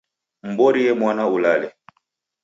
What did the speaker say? Mborie mwana ulale.